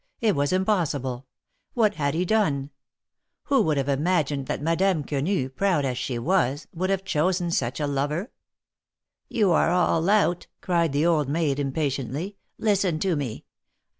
It was impossible. What had he done? Who would have imagined that Madame Quenu, proud as she was, would have chosen such a lover ? "You are all out," cried the old maid, impatiently. Listen to me.